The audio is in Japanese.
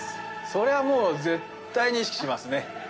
それはもう絶対に意識しますね。